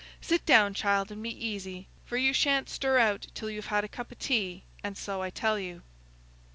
Sit down, child, and be easy, for you shan't stir out till you've had a cup o' tea, and so I tell you."